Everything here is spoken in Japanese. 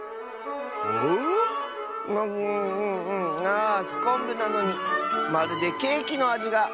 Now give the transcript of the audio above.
あすこんぶなのにまるでケーキのあじが。